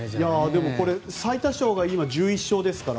でも最多勝が今１１勝ですから。